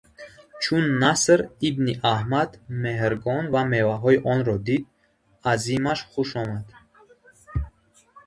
Чун Наср ибни Аҳмад меҳргон ва меваҳои онро дид, азимаш хуш омад.